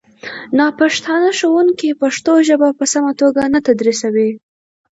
ناپښتانه ښوونکي پښتو ژبه په سمه توګه نه تدریسوي